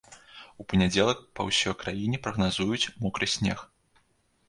У панядзелак па ўсё краіне прагназуюць мокры снег.